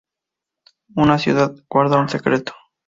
Una ciudad guarda un secreto.